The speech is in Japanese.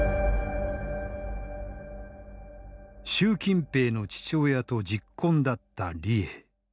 習近平の父親とじっこんだった李鋭。